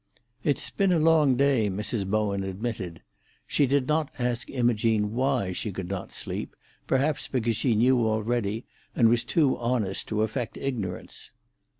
"It's been a long day," Mrs. Bowen admitted. She did not ask Imogene why she could not sleep, perhaps because she knew already, and was too honest to affect ignorance.